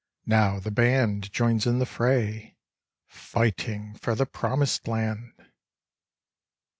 Now the band joins in the fray, Fighting for the Promised Land.